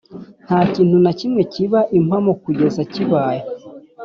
ntakintu na kimwe kiba impamo kugeza kibaye